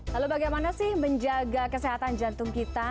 lalu bagaimana sih menjaga kesehatan jantung kita